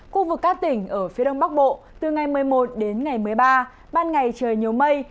khu vực các tỉnh ở phía đông bắc bộ từ ngày một mươi một đến ngày một mươi ba ban ngày trời nhiều mây